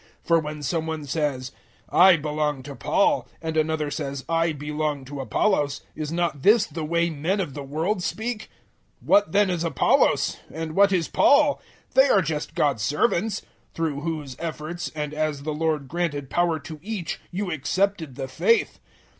003:004 For when some one says, "I belong to Paul," and another says, "I belong to Apollos," is not this the way men of the world speak? 003:005 What then is Apollos? And what is Paul? They are just God's servants, through whose efforts, and as the Lord granted power to each, you accepted the faith.